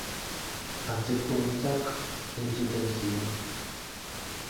Atzeko hotsak entzuten ziren.